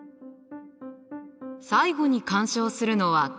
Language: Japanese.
最後に鑑賞するのはこれ。